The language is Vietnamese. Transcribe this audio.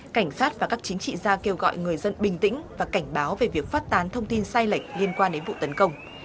cảnh sát và các chính trị gia kêu gọi người dân bình tĩnh và cảnh báo về việc phát tán thông tin sai lệch liên quan đến vụ tấn công